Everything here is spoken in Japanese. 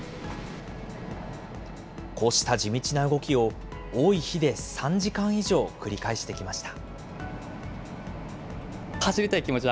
こうした地道な動きを、多い日で３時間以上繰り返してきました。